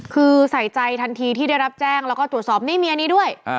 คือใส่ใจทันทีที่ได้รับแจ้งแล้วก็ตรวจสอบหนี้เมียนี้ด้วย